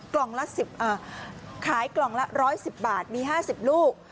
กล่องละขายกล่องละ๑๑๐บาทมี๕๐ลูก